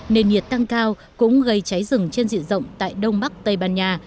nền nhiệt tăng cao cũng gây cháy rừng trên diện rộng tại đông bắc tây ban nha